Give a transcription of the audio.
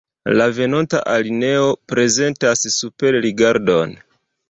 La venonta alineo prezentas superrigardon.